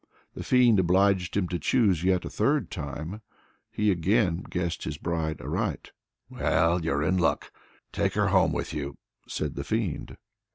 The fiend obliged him to choose yet a third time. He again guessed his bride aright. "Well, you're in luck! take her home with you," said the fiend.